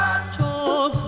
thầy quán cho thô quang